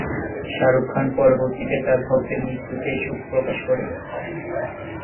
শাহরুখ খান পরবর্তীতে তার ভক্তের মৃত্যুতে শোক প্রকাশ করেন।